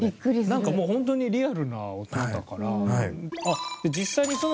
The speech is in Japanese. なんかもうホントにリアルな音だから。